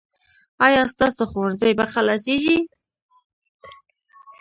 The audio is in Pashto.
ایا ستاسو ښوونځی به خلاصیږي؟